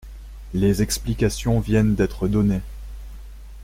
Les explications viennent d’être données.